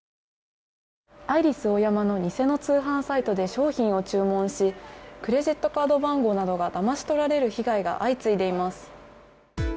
アイリスオーヤマの偽の通販サイトで商品を注文しクレジットカード番号などがだまし取られる被害が相次いでいます。